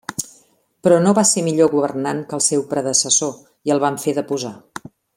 Però no va ser millor governant que el seu predecessor i el van fer deposar.